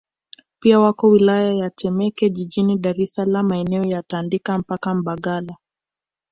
Pia wako wilaya ya Temeke jijini Dar es Salaam maeneo ya Tandika mpaka Mbagala